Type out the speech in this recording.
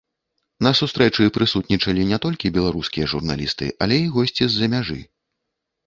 На сустрэчы прысутнічалі не толькі беларускія журналісты, але і госці з-за мяжы.